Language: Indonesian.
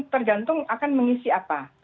tergantung akan mengisi apa